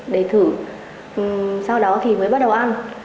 để thử sau đó thì mới bắt đầu ăn